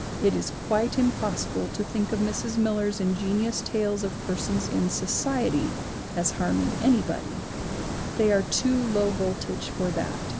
It is quite impossible to think of Mrs. Miller's ingenious tales of persons in "society" as harming anybody; they are too low voltage for that.